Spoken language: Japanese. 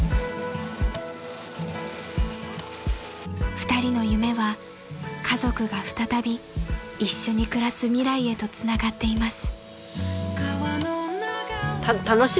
［２人の夢は家族が再び一緒に暮らす未来へとつながっています］